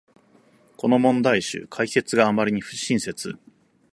この問題集、解説があまりに不親切